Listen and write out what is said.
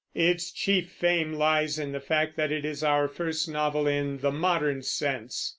Its chief fame lies in the fact that it is our first novel in the modern sense.